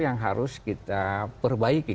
yang harus kita perbaiki